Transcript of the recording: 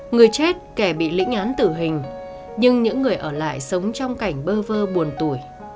người chết kẻ bị lĩnh án tử hình nhưng những người ở lại sống trong cảnh bơ vơ buồn tủi